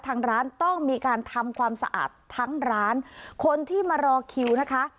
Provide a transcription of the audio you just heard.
ทางร้านต้องมีการทำความสะอาดทั้งร้านคนที่มารอคิวนะคะ